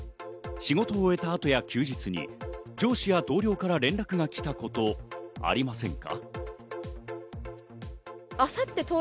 仕事を終えた後や休日に上司や同僚から連絡が来たことありませんか？